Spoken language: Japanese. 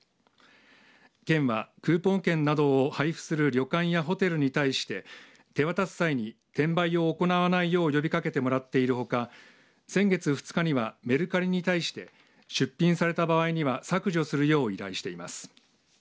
県はクーポン券などを配布する旅館やホテルに対して手渡す際に転売を行わないよう呼びかけてもらっているほか先月２日には、メルカリに対して出品された場合には削除するよう依頼しています。